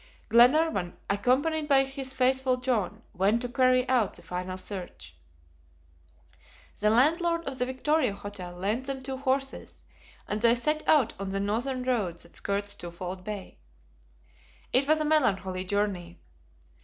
Glenarvan, accompanied by his faithful John, went to carry out the final search. The landlord of the Victoria Hotel lent them two horses, and they set out on the northern road that skirts Twofold Bay. It was a melancholy journey.